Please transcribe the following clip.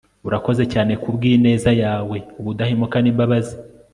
urakoze cyane kubwineza yawe, ubudahemuka, nimbabazi